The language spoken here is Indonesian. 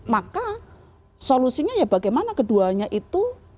maka solusinya ya bagaimana keduanya itu